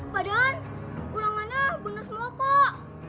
padahal ulangannya bener semua kok